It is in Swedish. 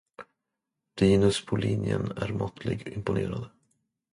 Linus på linjen är måttligt imponerad.